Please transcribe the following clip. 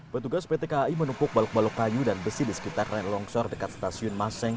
petugas pt kai menumpuk balok balok kayu dan besi di sekitar rang longsor dekat stasiun maseng